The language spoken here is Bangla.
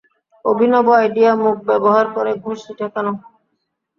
অভিনব আইডিয়া, মুখ ব্যবহার করে ঘুষি ঠেকানো।